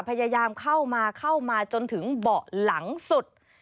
พยายามเข้ามาเข้ามาจนถึงเบาะหลังสุด